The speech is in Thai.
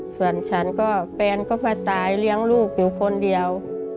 ส่วนฉันก็แฟนก็ไปตายเลี้ยงลูกอยู่คนเดียว